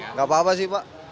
nggak apa apa sih pak